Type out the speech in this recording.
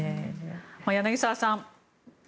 柳澤さん